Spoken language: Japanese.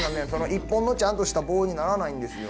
１本のちゃんとした棒にならないんですよ。